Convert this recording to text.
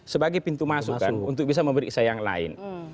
sebagai pintu masuk untuk bisa memeriksa yang lain